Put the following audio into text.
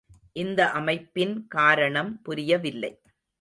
இந்த அமைப்பின் காரணம் புரியவில்லை.